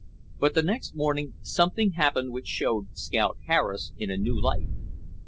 But the next morning something happened which showed Scout Harris in a new light.